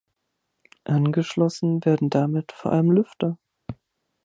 Angeschlossen werden damit vor allem Lüfter.